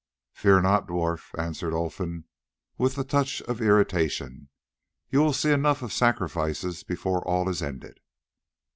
"Fear not, Dwarf," answered Olfan with a touch of irritation, "you will see enough of sacrifices before all is ended."